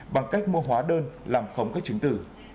bằng cách mua hóa đơn làm khống các chứng tử